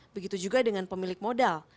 begitu juga dengan pemilik modal